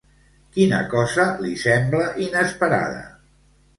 Quina cosa li sembla inesperada?